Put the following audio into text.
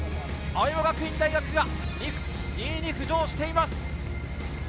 青山学院大学が２位に浮上しています。